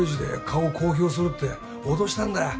「顔を公表する」って脅したんだよ